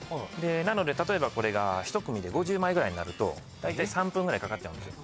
なので例えば一組で５０枚ぐらいになるとだいたい３分ぐらいかかっちゃうんですよ。